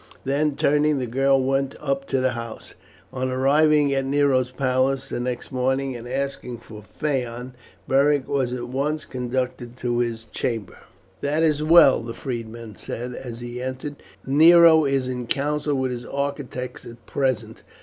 Then turning, the girl went up to the house. On arriving at Nero's palace the next morning, and asking for Phaon, Beric was at once conducted to his chamber. "That is well," the freedman said as he entered. "Nero is in council with his architects at present.